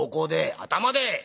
「頭で」。